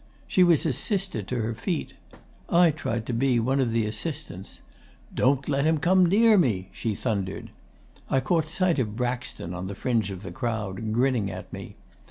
She was assisted to her feet. I tried to be one of the assistants. "Don't let him come near me!" she thundered. I caught sight of Braxton on the fringe of the crowd, grinning at me.